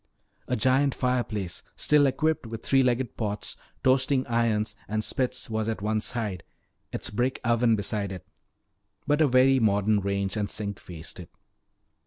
A giant fireplace still equipped with three legged pots, toasting irons, and spits was at one side, its brick oven beside it. But a very modern range and sink faced it.